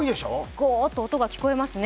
ゴーッと音が聞こえますね。